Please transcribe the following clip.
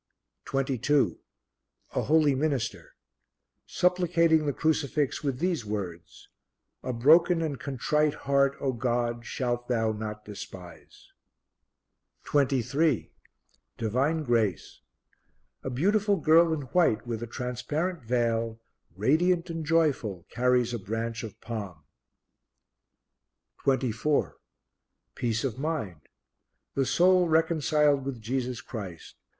22. A Holy Minister supplicating the Crucifix with these words: "A broken and contrite heart, O God, shalt Thou not despise." 23. Divine Grace. A beautiful girl in white with a transparent veil, radiant and joyful, carries a branch of palm. 24. Peace of Mind. The soul reconciled with Jesus Christ.